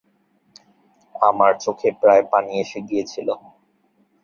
আমার চোখে প্রায় পানি এসে গিয়েছিল।